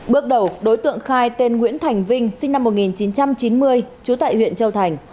bước đầu đối tượng khai tên nguyễn thành vinh sinh năm một nghìn chín trăm chín mươi trú tại huyện châu thành